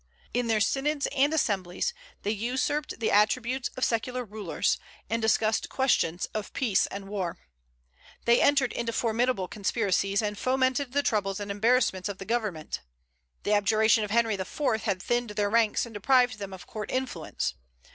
_ In their synods and assemblies they usurped the attributes of secular rulers, and discussed questions of peace and war. They entered into formidable conspiracies, and fomented the troubles and embarrassments of the government The abjuration of Henry IV. had thinned their ranks and deprived them of court influence.